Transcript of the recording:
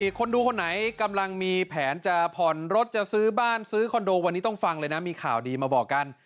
คนดูคนไหนกำลังมีแผนจะผ่อนรถจะซื้อบ้านซื้อคอนโดวันนี้ต้องฟังเลยนะมีข่าวดีมาบอกกัน